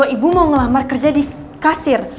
ibu mau ngelamar kerja di kasir